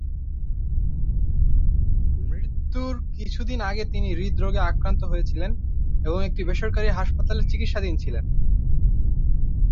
মৃত্যুর কিছুদিন আগে তিনি হৃদরোগে আক্রান্ত হয়েছিলেন এবং একটি বেসরকারি হাসপাতালে চিকিৎসাধীন ছিলেন।